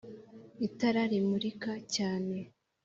itara rimurika cyane.